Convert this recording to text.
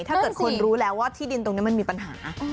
ถ้าเกิดคนรู้แล้วว่าที่ดินตรงนี้มันมีปัญหา